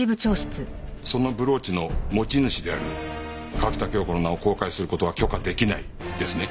そのブローチの持ち主である川喜多京子の名を公開する事は許可出来ないですね？